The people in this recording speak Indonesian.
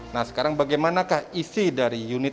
nah sekarang bagaimanakah isi dari unit